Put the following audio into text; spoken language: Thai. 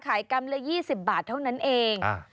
ขายกำละ๒๐บาทเท่านั้นเอง